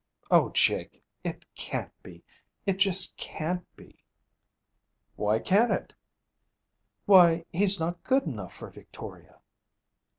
'O Jake, it can't be. It just can't be.' 'Why can't it?' 'Why, he's not good enough for Victoria.'